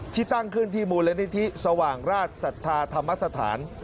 ที่ตั้งขึ้นที่มูลนิธิสว่างราชศรัทธาธรรมสถาน